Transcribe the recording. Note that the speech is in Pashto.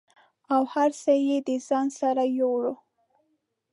او هر څه یې د ځان سره یووړه